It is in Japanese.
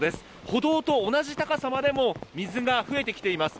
歩道と同じ高さまでも水が増えてきています。